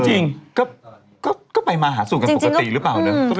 จริงก็ไปมาหาสู่กันปกติหรือเปล่านะ